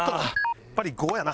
やっぱり５やな。